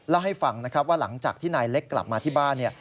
และให้ฟังว่าหลังจากที่นายเล็กกลับมาที่บ้าน